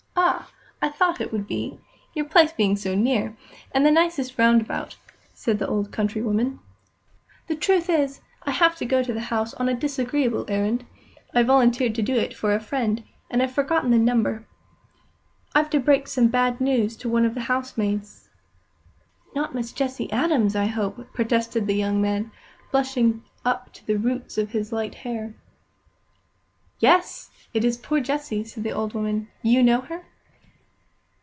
"Ah! I thought how it would be, your place being so near, and the nicest round about," said the old country woman. "The truth is, I have to go to the house on a disagreeable errand. I volunteered to do it for a friend, and I've forgotten the number. I've to break some bad news to one of the housemaids." "Not Miss Jessie Adams, I hope!" protested the young man, blushing up to the roots of his light hair. "Yes, it is poor Jessie," said the old woman. "You know her?"